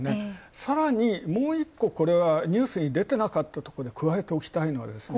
さらに、もう１個、これはニュースに出てなかったとこで加えておきたいのはですね